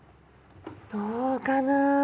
どうかな？